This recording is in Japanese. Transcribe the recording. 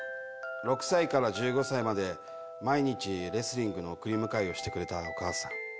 ６ 歳から１５歳まで毎日レスリングの送り迎えをしてくれたお母さん。